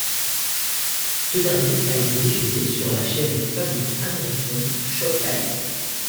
Ce dernier a été diffusé sur la chaîne câblée américain Showtime.